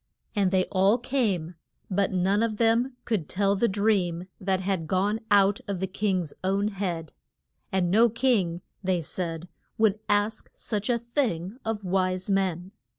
And they all came, but none of them could tell the dream that had gone out of the king's own head. And no king, they said, would ask such a thing of wise men.